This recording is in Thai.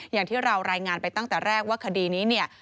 อย่างที่เรารายงานไปตั้งแต่แรกว่าคดีนี้เนี่ย